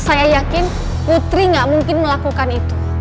saya yakin putri gak mungkin melakukan itu